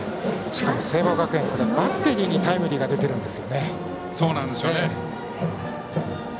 しかも聖望学園はバッテリーにタイムリーが出ています。